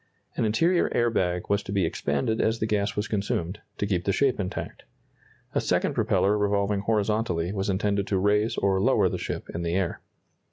An interior air bag was to be expanded as the gas was consumed, to keep the shape intact. A second propeller revolving horizontally was intended to raise or lower the ship in the air.